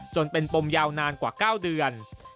จนเป็นปมยาวนานกว่า๙เดือน